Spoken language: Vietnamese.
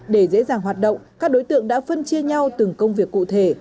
để dễ dàng hoạt động các đối tượng đã phân chia nhau từng công việc cụ thể